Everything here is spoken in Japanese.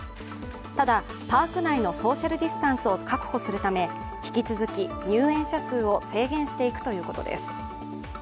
ただ、パーク内のソーシャルディスタンスを確保するため引き続き入園者数を制限していくということです。